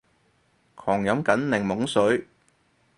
狂飲緊檸檬水